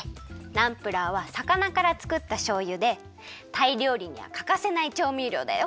ナンプラーはさかなからつくったしょうゆでタイりょうりにはかかせないちょうみりょうだよ。